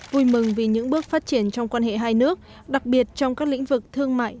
vui mừng vì những bước phát triển trong quan hệ hai nước đặc biệt trong các lĩnh vực thương mại